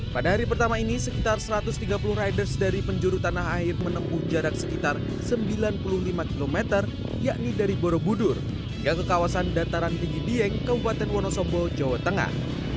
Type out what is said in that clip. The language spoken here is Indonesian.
pada hari pertama ini sekitar satu ratus tiga puluh riders dari penjuru tanah air menempuh jarak sekitar sembilan puluh lima km yakni dari borobudur hingga ke kawasan dataran tinggi dieng kabupaten wonosobo jawa tengah